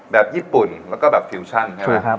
แบบญี่ปุ่นและก็แบบฟิวชั่น